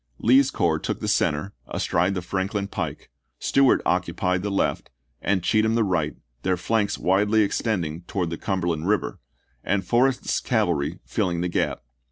Lee's corps took the center, ise*. astride the Franklin pike, Stewart occupied the left, and Cheatham the right, their flanks widely extending towards the Cumberland River, and Forrest's cavalry filling the gap.